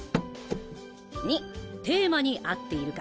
２テーマに合っているか。